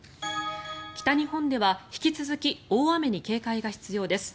北日本では引き続き大雨に警戒が必要です。